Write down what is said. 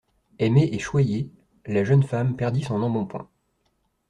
Aimée et choyée la jeune femme perdit son embonpoint.